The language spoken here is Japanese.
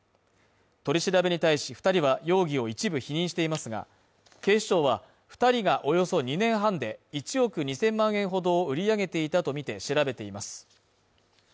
取り調べに対し２人は容疑を一部否認していますが、警視庁は、２人がおよそ２年半で１億２０００万円ほどを売り上げていたとみて調べています。